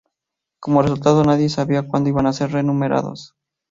Como resultado, nadie sabía cuando iban a ser remunerados.